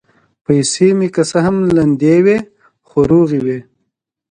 پیسې مې که څه هم لندې وې، خو روغې وې.